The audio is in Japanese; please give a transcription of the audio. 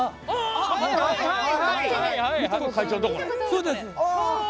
そうです。